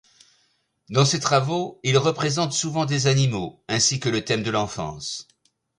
Dans ses travaux, il représente souvent des animaux ainsi que le thème de l'enfance.